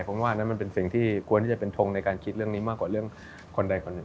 ผมว่านั้นมันเป็นสิ่งที่ควรที่จะเป็นทงในการคิดเรื่องนี้มากกว่าเรื่องคนใดคนหนึ่ง